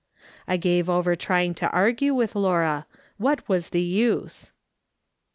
I gave over trying to argue with Laura ; what was the use ?